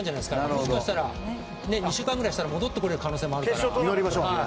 もしかしたら２週間ぐらいしたら戻ってくる可能性もあるから。